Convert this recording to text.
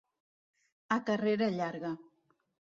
A carrera llarga.